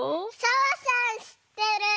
澤さんしってる！